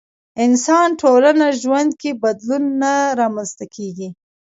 انسان ټولنه ژوند کې بدلون نه رامنځته کېږي.